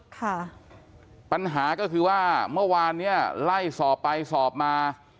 ค่ะปัญหาก็คือว่าเมื่อวานเนี้ยไล่สอบไปสอบมา